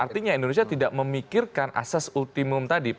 artinya indonesia tidak memikirkan asas ultimum tadi